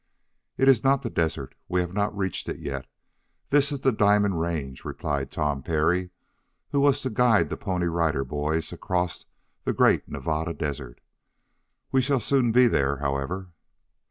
"It is not the desert. We have not reached it yet. This is the Diamond Range," replied Tom Parry, who was to guide the Pony Rider Boys across the great Nevada Desert. "We shall soon be there, however."